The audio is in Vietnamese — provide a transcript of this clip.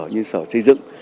như sở xây dựng